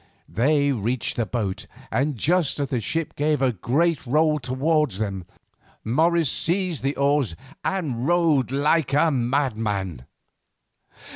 They reached the boat, and just as the ship gave a great roll towards them, Morris seized the oars and rowed like a madman.